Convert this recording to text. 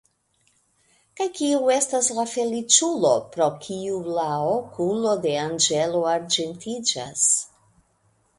Kaj kiu estas la feliĉulo, pro kiu la okulo de anĝelo arĝentiĝas?